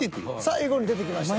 最後に出てきました。